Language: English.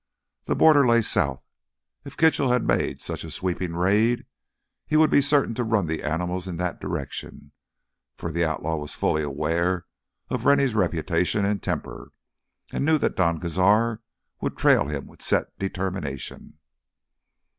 The border lay south. If Kitchell had made such a sweeping raid, he would be certain to run the animals in that direction, for the outlaw was fully aware of Rennie's reputation and temper, and knew that Don Cazar would trail him with set determination.